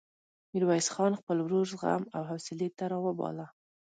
ميرويس خان خپل ورور زغم او حوصلې ته راوباله.